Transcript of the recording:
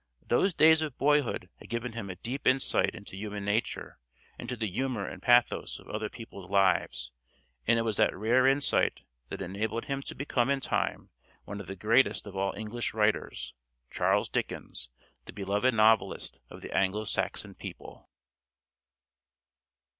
Those days of boyhood had given him a deep insight into human nature, into the humor and pathos of other people's lives, and it was that rare insight that enabled him to become in time one of the greatest of all English writers, Charles Dickens, the beloved novelist of the Anglo Saxon people.